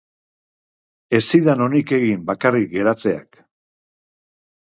Ez zidan onik egiten bakarrik geratzeak.